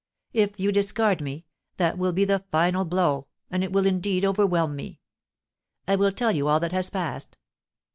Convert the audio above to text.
If you discard me, that will be the final blow, and will indeed overwhelm me. I will tell you all that has passed.